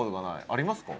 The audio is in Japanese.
ありますか？